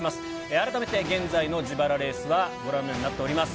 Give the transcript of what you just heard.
改めて現在の自腹レースはご覧のようになっております。